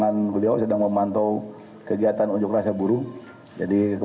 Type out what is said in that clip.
apakah sudah ditanya kepada berdua